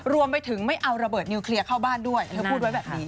รวมไปถึงไม่เอาระเบิดนิวเคลียร์เข้าบ้านด้วยเธอพูดไว้แบบนี้